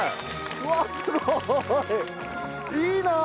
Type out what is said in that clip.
うわあすごい！いいな！